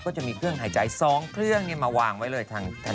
ก็จะมีเครื่องหายใจ๒เครื่องมาวางไว้เลยทันทีเลยนะคะ